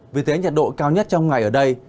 vì thế nhiệt độ cao nhất trong ngày ở đây